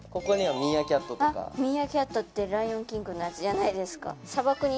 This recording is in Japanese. ミーアキャットって『ライオンキング』のやつじゃないですか。